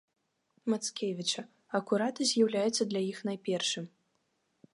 Мацкевіча, акурат і з'яўляецца для іх найпершым.